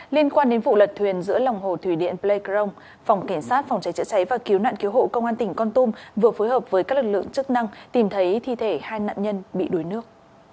liên quan đến vụ lật thuyền giữa lòng hồ thủy điện pleikrong phòng cảnh sát phòng cháy chữa cháy và cứu nạn cứu hộ công an tỉnh con tum vừa phối hợp với các lực lượng chức năng tìm thấy thi thể hai nạn nhân bị đuối nước